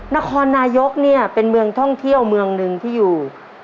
นครนายกเนี่ยเป็นเมืองท่องเที่ยวเมืองหนึ่งที่อยู่